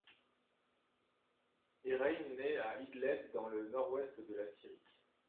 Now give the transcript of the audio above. Erhaim naît à Idleb, dans le nord-ouest de la Syrie.